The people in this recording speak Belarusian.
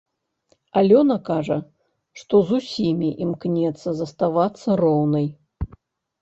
Алёна кажа, што з усімі імкнецца заставацца роўнай.